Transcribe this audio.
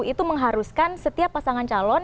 itu mengharuskan setiap pasangan calon